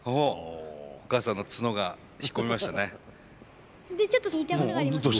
お母さんの角が引っ込みましたね。